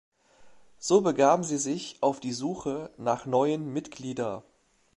So begaben sie sich auf die Suche nach neuen Mitglieder.